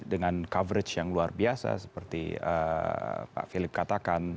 dengan coverage yang luar biasa seperti pak philip katakan